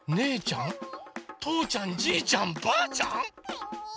とーちゃんじーちゃんばーちゃん？